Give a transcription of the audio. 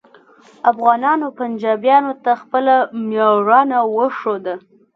افغانانو پنجابیانو ته خپله میړانه وښوده